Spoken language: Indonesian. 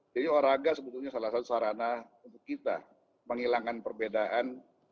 jadi olahraga sebetulnya salah satu sarana untuk kita menghilangkan perbedaan